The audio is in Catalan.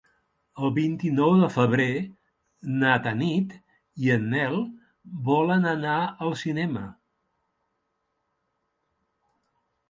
El vint-i-nou de febrer na Tanit i en Nel volen anar al cinema.